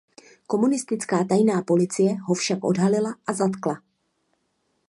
Komunistická tajná policie ho však odhalila a zatkla.